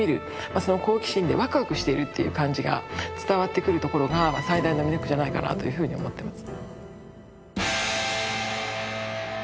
その好奇心でワクワクしてるっていう感じが伝わってくるところが最大の魅力じゃないかなぁというふうに思ってます。